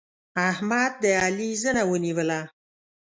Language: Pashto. احمد د علي زنه ونيوله.